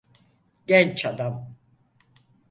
Genç adam.